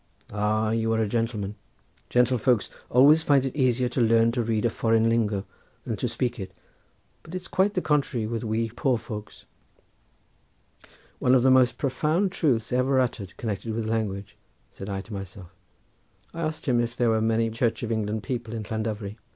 "Ah, you are a gentleman—gentlefolks always find it easier to learn to read a foreign lingo than to speak it, but it's quite the contrary with we poor folks." "One of the most profound truths ever uttered connected with language," said I to myself. I asked him if there were many Church of England people in Llandovery.